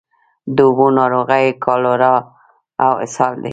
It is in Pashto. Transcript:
د اوبو ناروغۍ کالرا او اسهال دي.